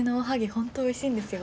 本当おいしいんですよ。